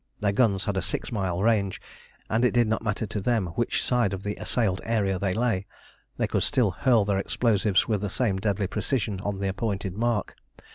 Their guns had a six mile range, and it did not matter to them which side of the assailed area they lay. They could still hurl their explosives with the same deadly precision on the appointed mark.